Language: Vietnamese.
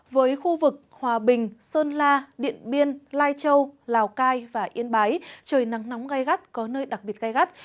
với khu vực hòa bình sơn la điện biên lai châu lào cai và yên bái trời nắng nóng gai gắt có nơi đặc biệt gai gắt